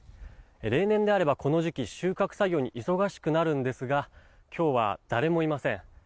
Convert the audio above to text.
例年であればこの時期収穫作業に忙しくなるんですが今日は誰もいません。